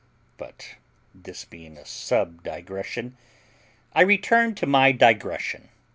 But, this being a subdigression, I return to my digression.